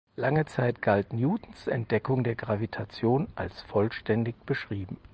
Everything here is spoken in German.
Lange Zeit galt Newtons Entdeckung der Gravitation als vollständig beschrieben.